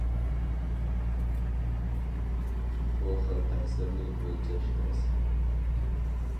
بۇ خىل تەسىرنى ئۆلچەش تەس.